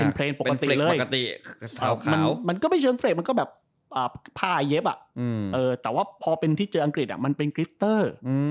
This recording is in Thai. เป็นเพลงปกติเลยมันก็ไม่เชิงเฟรกมันก็แบบผ้าเย็บแต่ว่าพอเป็นที่เจออังกฤษมันเป็นกริตเตอร์